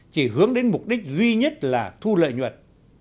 chỉ hướng đến mục đích duy nhất là thu lợi nhuận